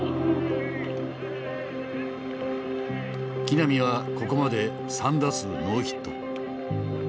木浪はここまで３打数ノーヒット。